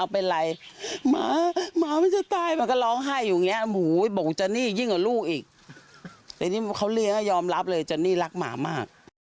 พระบอมรับเลยจอนิรักหมามาก